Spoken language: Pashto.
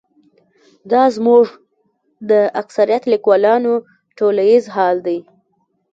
دا زموږ د اکثریت لیکوالو ټولیز حال دی.